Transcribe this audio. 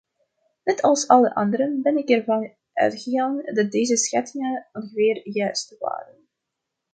Net als alle anderen ben ik ervan uitgegaan dat deze schattingen ongeveer juist waren.